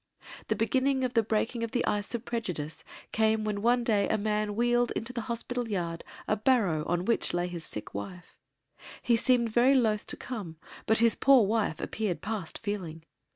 The beginning of the breaking of the ice of prejudice came when one day a man wheeled into the hospital yard a barrow on which lay his sick wife. He seemed very loath to come but his poor wife appeared past feeling.